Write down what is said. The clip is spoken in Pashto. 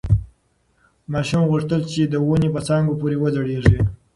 ماشوم غوښتل چې د ونې په څانګو پورې وځړېږي.